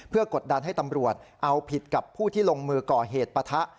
เพื่อกดดันให้ตำรวจเอาผิดกับผู้ที่ลงมือก่อเหตุปะทะ